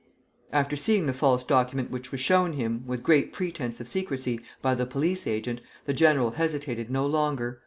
] After seeing the false document which was shown him, with great pretence of secrecy, by the police agent, the general hesitated no longer.